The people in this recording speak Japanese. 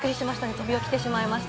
飛び起きてしまいました。